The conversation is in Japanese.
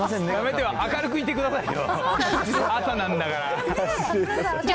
やめてよ、明るくしていてくださいよ。